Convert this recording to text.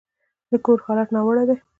د کور حالت يې ناوړه دی.